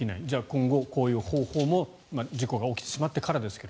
今後こういう方法も事故が起きてしまってからですが。